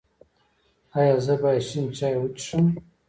ایا زه باید شین چای وڅښم؟